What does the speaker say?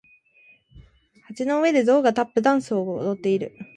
蟻の上でゾウがタップダンスを踊っている。